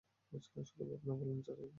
শুধু ভাবনা বলবেন, চাচা জি।